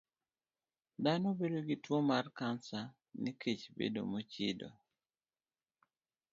Dhano bedo gi tuo mar kansa nikech bedo mochido.